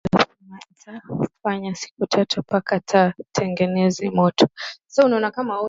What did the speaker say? Mayi inaenda asema ita fanya siku tatu paka ba tengeneze moto